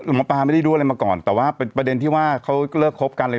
หมอปลาไม่ได้รู้อะไรมาก่อนแต่ว่าเป็นประเด็นที่ว่าเขาเลิกคบกันเลย